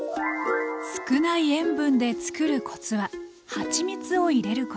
少ない塩分でつくるコツははちみつを入れること。